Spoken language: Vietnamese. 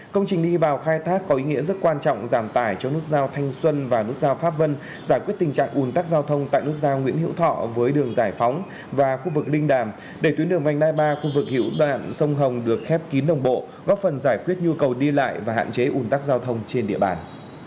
công trình đi vào khai thác có ý nghĩa rất quan trọng giảm tải cho nút giao thanh xuân và nút giao pháp vân giải quyết tình trạng ủn tắc giao thông tại nút giao nguyễn hữu thọ với đường giải phóng và khu vực linh đàm để tuyến đường vành đai ba khu vực hữu đoạn sông hồng được khép kín đồng bộ góp phần giải quyết nhu cầu đi lại và hạn chế ủn tắc giao thông trên địa bàn